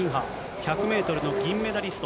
１００メートルの銀メダリスト。